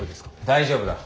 大丈夫だ。